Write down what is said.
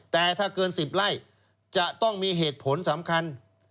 แต่ถ้าเกิน๑๐ไร่จะต้องมีเหตุผลสำคัญ